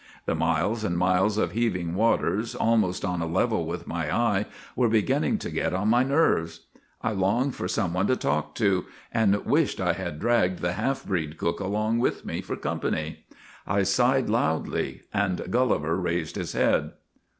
The miles and miles of heaving waters, almost on a level with my eye, were beginning to get on my nerves. I longed for some i8 GULLIVER THE GREAT one to talk to, and wished I had dragged the half breed cook along with me for company. I sighed loudly, and Gulliver raised his head.